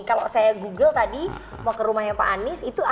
kalau saya google tadi mau ke rumahnya pak anies itu ada pak